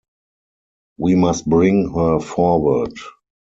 We must bring her forward.